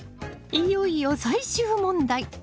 いよいよ最終問題。